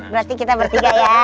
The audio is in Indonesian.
berarti kita bertiga ya